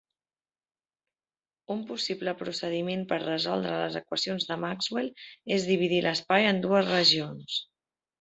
Un possible procediment per resoldre les equacions de Maxwell és dividir l'espai en dues regions.